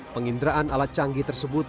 penginderaan alat canggih tersebut